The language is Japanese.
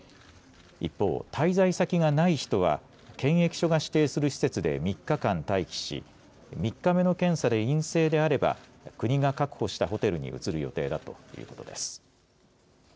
一方、滞在先がない人は検疫所が指定する施設で３日間待機し３日目の検査で陰性であれば国が確保したホテルに移る予定だということです。